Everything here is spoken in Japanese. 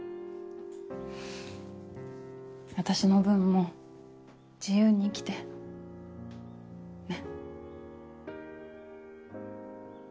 私の分も自由に生きて。ね？